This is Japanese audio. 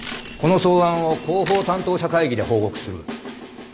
この草案を広報担当者会議で報告する。